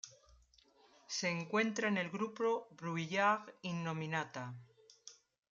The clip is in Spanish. Se encuentra en el grupo Brouillard-Innominata.